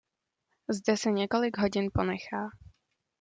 Zde se několik hodin ponechá.